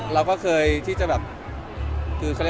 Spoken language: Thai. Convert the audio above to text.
เราก็เคยที่จะแบบ